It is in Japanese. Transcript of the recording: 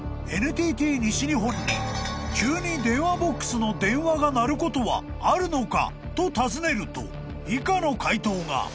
［急に電話ボックスの電話が鳴ることはあるのか？と尋ねると以下の回答が］